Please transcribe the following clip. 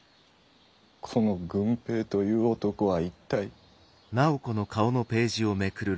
この「郡平」という男は一体。